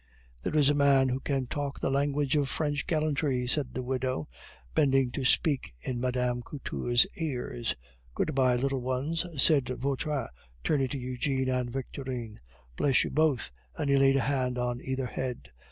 "There is a man who can talk the language of French gallantry!" said the widow, bending to speak in Mme. Couture's ear. "Good bye, little ones!" said Vautrin, turning to Eugene and Victorine. "Bless you both!" and he laid a hand on either head.